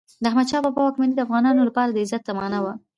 د احمدشاه بابا واکمني د افغانانو لپاره د عزت زمانه وه.